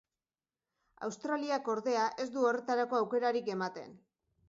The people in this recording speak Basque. Australiak, ordea, ez du horretarako aukerarik ematen.